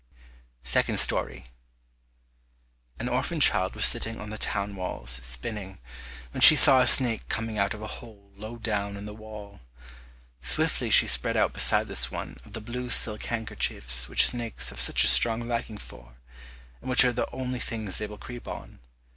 Second Story. An orphan child was sitting on the town walls spinning, when she saw a snake coming out of a hole low down in the wall. Swiftly she spread out beside this one of the blue silk handkerchiefs which snakes have such a strong liking for, and which are the only things they will creep on.